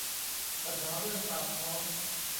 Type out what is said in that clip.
ปัญหาเรื่องปากท้อง